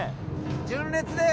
純烈です。